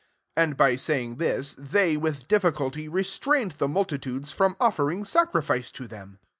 18 And by saying this, they with di£Scuity restrained the multi tudes from offering sacrifice to them.